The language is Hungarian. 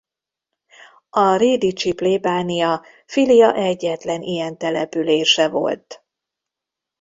A rédicsi plébánia filia egyetlen ilyen települése volt.